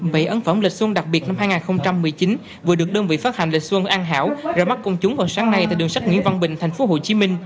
vậy ấn phẩm lịch xuân đặc biệt năm hai nghìn một mươi chín vừa được đơn vị phát hành lịch xuân an hảo ra mắt công chúng vào sáng nay tại đường sách nguyễn văn bình tp hcm